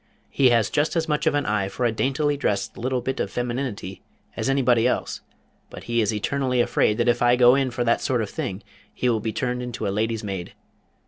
He has just as much of an eye for a daintily dressed little bit of femininity as anybody else, but he is eternally afraid that if I go in for that sort of thing he will be turned into a lady's maid.